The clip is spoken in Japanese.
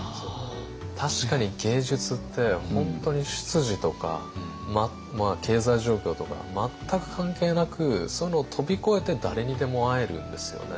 確かに芸術って本当に出自とか経済状況とか全く関係なくそういうのを飛び越えて誰にでも会えるんですよね。